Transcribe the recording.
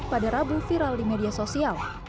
pada rabu viral di media sosial